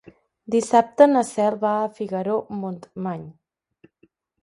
Dissabte na Cel va a Figaró-Montmany.